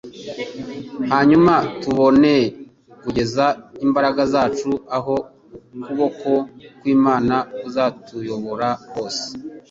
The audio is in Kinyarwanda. hanyuma tubone kugeza imbaraga zacu aho ukuboko kw'Imana kuzatuyobora hose.